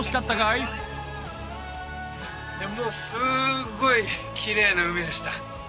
いやもうすごいきれいな海でした